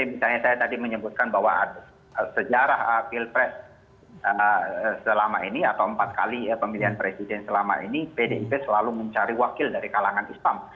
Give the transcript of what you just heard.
misalnya saya tadi menyebutkan bahwa sejarah pilpres selama ini atau empat kali pemilihan presiden selama ini pdip selalu mencari wakil dari kalangan islam